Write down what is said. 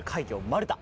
マルタ。